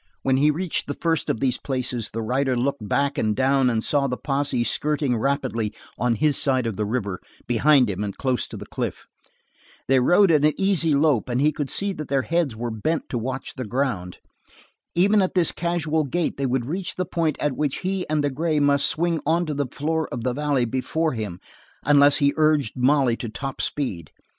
When he reached the first of these places the rider looked back and down and saw the posse skirting rapidly on his side of the river, behind him and close to the cliff. They rode at an easy lope, and he could see that their heads were bent to watch the ground. Even at this casual gait they would reach the point at which he and the gray must swing onto the floor of the valley before him unless he urged Molly to top speed.